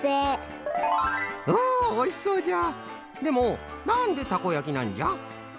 でもなんでたこやきなんじゃ？